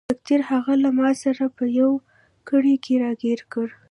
تقدیر هغه له ماسره په یوه کړۍ کې راګیر کړ.